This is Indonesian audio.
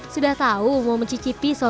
sudah tahu mau mencicipi soto khas nusantara